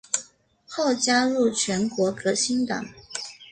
后加入全国革新党。